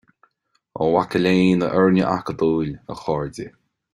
A mhaca léinn, a fhoirne acadúil, a chairde,